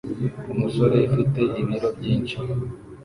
Umusore ufite ibiro byinshi